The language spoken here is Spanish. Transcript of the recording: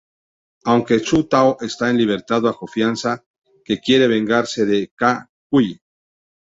Aunque Chu Tao está en libertad bajo fianza, que quiere vengarse de Ka-Kui.